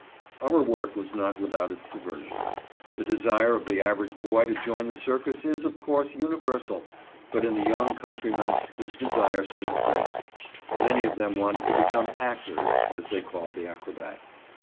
Our work was not without its diversion. The desire of the average boy to join the circus is, of course, universal, but in the young countryman this desire seems greater. Many of them wanted to become "actors," as they called the acrobats.